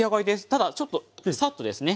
ただちょっとサッとですね